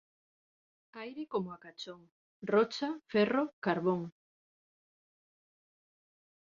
Aire como a cachón, Rocha, ferro, carbón.